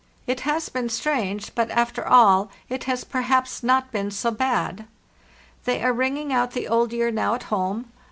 It has been strange, but, after all, it has perhaps not been so bad. "They are ringing out the old year now at home.